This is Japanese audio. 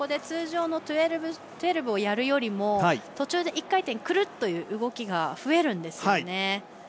通常の１２６０をやるよりも途中で１回転くるっという動きが増えるんですよね。